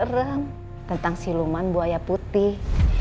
bareng tentang siluman buaya putih